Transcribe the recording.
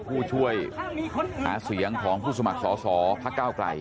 ผู้ช่วยหาเสียงของผู้สมัครสอสอพักก้าวไกล